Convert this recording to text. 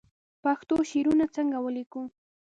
پښتو شعرونه څنګه ولیکو